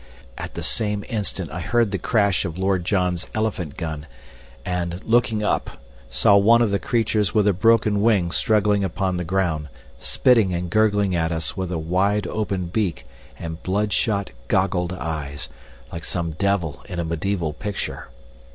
At the same instant I heard the crash of Lord John's elephant gun, and, looking up, saw one of the creatures with a broken wing struggling upon the ground, spitting and gurgling at us with a wide opened beak and blood shot, goggled eyes, like some devil in a medieval picture.